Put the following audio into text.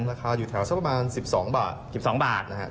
ราคาอยู่เท่าชั่วประมาณ๑๒บาท